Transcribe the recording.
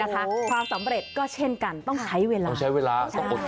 ความสำเร็จเช่นกันต้องใช้เวลา